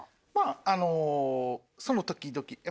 あのその時々。